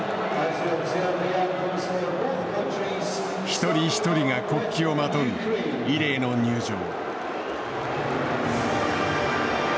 一人一人が国旗をまとう異例の入場。